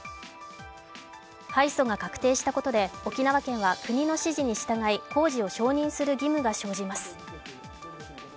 敗訴が確定したことで沖縄県は国の指示に従い工事を承認する義務が生じます。